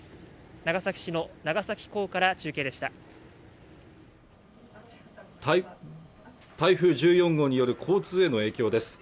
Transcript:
長崎市の長崎港から中継でした台風１４号による交通への影響です